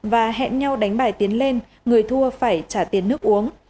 và hẹn nhau đánh bài tiến lên người thua phải trả tiền nước uống